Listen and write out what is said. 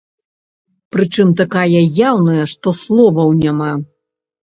Прычым такая яўная, што словаў няма.